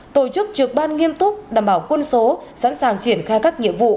tổ chức trược ban nghiêm túc đảm bảo quân số sẵn sàng triển khai các nhiệm vụ